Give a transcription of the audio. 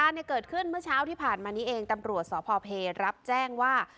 เนี่ยเกิดขึ้นเมื่อเช้าที่ผ่านมานี้เองตำรวจสพเพรับแจ้งว่า